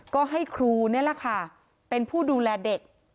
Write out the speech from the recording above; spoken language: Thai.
ก็ให้ครูนี่แหละค่ะเป็นผู้ดูแลเด็ก